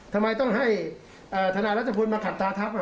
ทำไมต้องให้ธนายรัชพลมาขัดตาทัพ